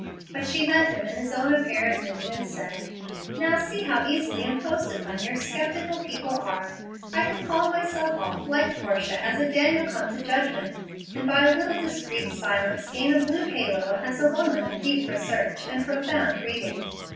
But she met him in his own apparent mood, and said, "Now see how easily imposed upon your sceptical people are! I could palm myself off, like Portia, as a Daniel come to judgment, and by a little discreet silence gain a blue halo as a woman of deep research and profound reading.